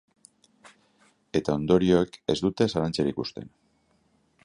Eta ondorioek ez dute zalantzarik uzten.